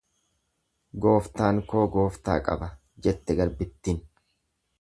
Gooftaan koo gooftaa qaba, jette garbittin.